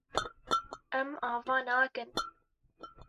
Em ava nakin.